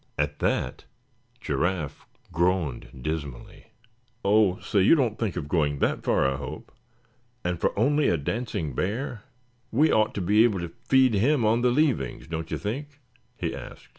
At that Giraffe groaned dismally. "Oh! say, you don't think of going that far, I hope; and for only a dancing bear; we ought to be able to feed him on the leavings, don't you think?" he asked.